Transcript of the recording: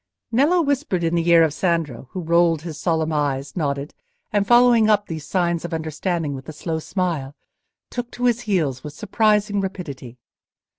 Nello whispered in the ear of Sandro, who rolled his solemn eyes, nodded, and, following up these signs of understanding with a slow smile, took to his heels with surprising rapidity.